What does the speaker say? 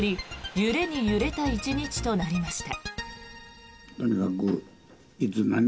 揺れに揺れた１日となりました。